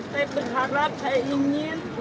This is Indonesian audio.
saya berharap saya ingin